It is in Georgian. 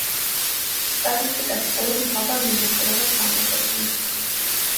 სტატისტიკაში ორ მთავარ მიმართულებას გამოყოფენ.